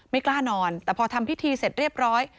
กล้านอนแต่พอทำพิธีเสร็จเรียบร้อย